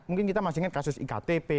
mungkin kita masih ingat kasus iktp